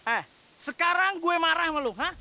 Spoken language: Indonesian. eh sekarang gue marah sama lo hah